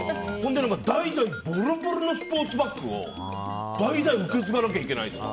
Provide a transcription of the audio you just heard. ぼろぼろのスポーツバッグを代々受け継がなきゃいけないとか。